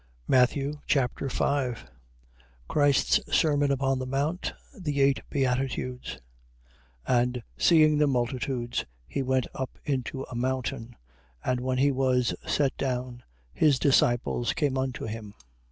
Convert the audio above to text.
Matthew Chapter 5 Christ's sermon upon the mount. The eight beatitudes. 5:1. And seeing the multitudes, he went up into a mountain, and when he was set down, his disciples came unto him.